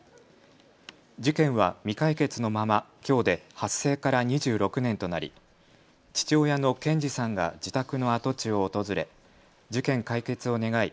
事件は未解決のままきょうで発生から２６年となり父親の賢二さんが自宅の跡地を訪れ事件解決を願い